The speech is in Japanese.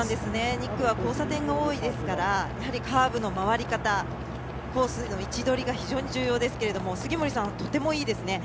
２区は交差点が多いですからやはりカーブの回り方コースの位置取りが非常に重要ですけれども杉森さんはとてもいいですね。